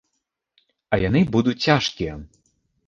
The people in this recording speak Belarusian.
А яны будуць цяжкія.